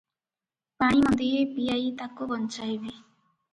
ପାଣି ମନ୍ଦିଏ ପିଆଇ ତାକୁ ବଞ୍ଚାଇବି ।